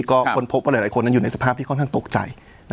ก็ค้นพบว่าหลายคนนั้นอยู่ในสภาพที่ค่อนข้างตกใจ